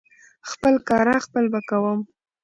خپل کاره خپل به کوم .